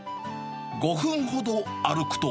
５分ほど歩くと。